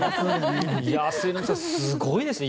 末延さん、すごいですね